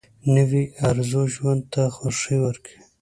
نوې ارزو ژوند ته خوښي ورکوي